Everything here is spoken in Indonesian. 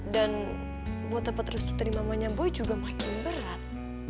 dan buat dapet restu terima mama nya boy juga makin berat